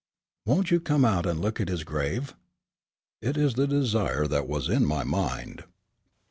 "Won't you come out and look at his grave?" "It is the desire that was in my mind."